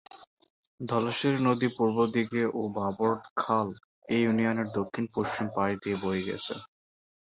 ধলেশ্বরী নদী পূর্ব দিকে ও বাবর খাল এ ইউনিয়নের দক্ষিণ-পশ্চিম পাশ দিয়ে বয়ে গেছে।